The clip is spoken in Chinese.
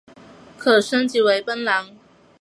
可升级成奔狼。